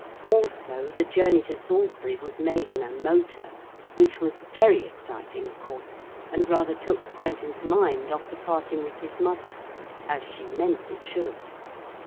Also the journey to Salisbury was made in a motor, which was very exciting of course, and rather took Quentin's mind off the parting with his mother, as she meant it should.